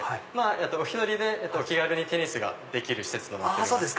お１人で気軽にテニスができる施設となってます。